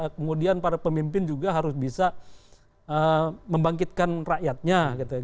kemudian para pemimpin juga harus bisa membangkitkan rakyatnya